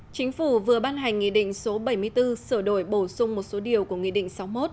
chính phủ vừa ban hành nghị định số bảy mươi bốn sửa đổi bổ sung một số điều của nghị định sáu mươi một